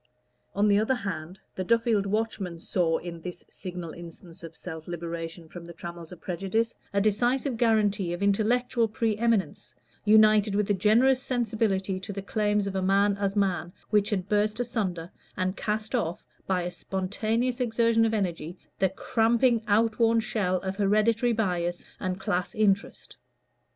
On the other hand, the Duffield Watchman saw in this signal instance of self liberation from the trammels of prejudice, a decisive guarantee of intellectual pre eminence, united with a generous sensibility to the claims of man as man, which had burst asunder, and cast off, by a spontaneous exertion of energy, the cramping out worn shell of hereditary bias and class interest.